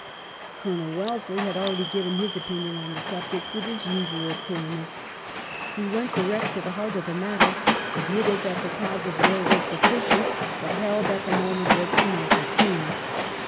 Colonel Wellesley had already given his opinion on the subject with his usual coolness. He went direct to the heart of the matter, admitted that the cause of war was sufficient, but held that the moment was inopportune.